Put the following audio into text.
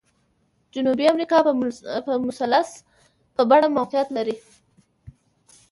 جنوبي امریکا په مثلث په بڼه موقعیت لري.